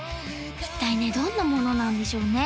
一体ねどんなものなんでしょうね